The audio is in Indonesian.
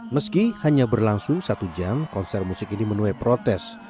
meski hanya berlangsung satu jam konser musik ini menuai protes